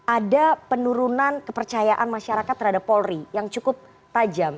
ada penurunan kepercayaan masyarakat terhadap polri yang cukup tajam